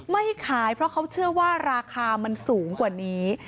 ไม่ขายเพราะเขาเชื่อว่าราคามันสูงกว่านี้